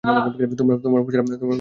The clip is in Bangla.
তোমরা ফর্সা রা সবাইকে মার!